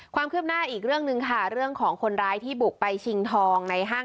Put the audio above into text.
ความคืบหน้าอีกเรื่องหนึ่งค่ะเรื่องของคนร้ายที่บุกไปชิงทองในห้าง